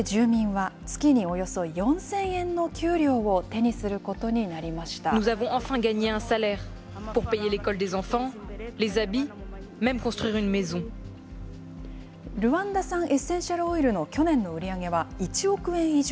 これによって住民は月におよそ４０００円の給料を手にすることにルワンダ産エッセンシャルオイルの去年の売り上げは１億円以上。